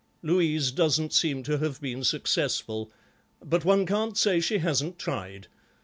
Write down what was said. Louise doesn't seem to have been successful, but one can't say she hasn't tried.